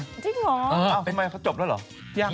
จริงเหรอทำไมเขาจบแล้วเหรอ